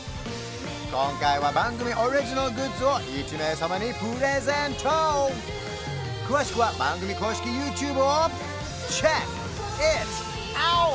今回は番組オリジナルグッズを１名様にプレゼント詳しくは番組公式ＹｏｕＴｕｂｅをｃｈｅｃｋｉｔｏｕｔ！